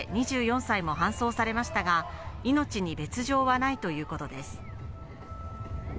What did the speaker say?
２４歳も搬送されましたが、命に別状はないということです。